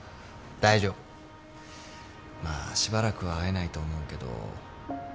まあしばらくは会えないと思うけど。